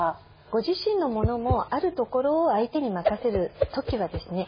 ご自身のものもあるところを相手に任せる時はですね